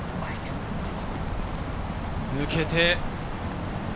抜けて。